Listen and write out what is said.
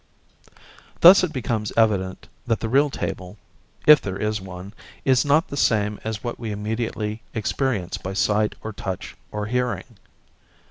Thus it becomes evident that the real table, if there is one, is not the same as what we immediately experience by sight or touch or hearing.